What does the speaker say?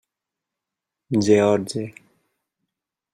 George!